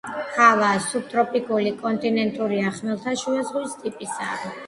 ჰავა სუბტროპიკული, კონტინენტურია, ხმელთაშუა ზღვის ტიპისა.